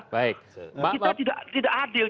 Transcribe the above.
kita tidak adil